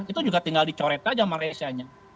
itu juga tinggal dicoret aja malaysia nya